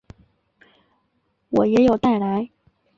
我也有带来